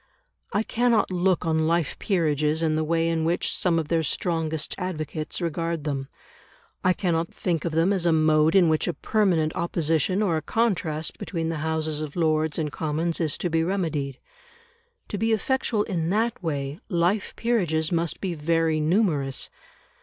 I cannot look on life peerages in the way in which some of their strongest advocates regard them; I cannot think of them as a mode in which a permanent opposition or a contrast between the Houses of Lords and Commons is to be remedied. To be effectual in that way, life peerages must be very numerous.